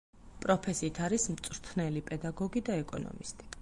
პროფესიით არის მწვრთნელი–პედაგოგი და ეკონომისტი.